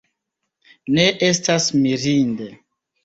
Ne estas mirinde.